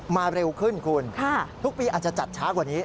เร็วขึ้นคุณทุกปีอาจจะจัดช้ากว่านี้